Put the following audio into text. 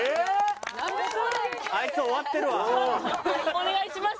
お願いします。